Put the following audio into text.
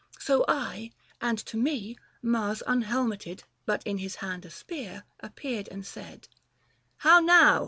So I, and to me, Mars unhelmeted 180 But in his hand a spear, appeared and said, "How now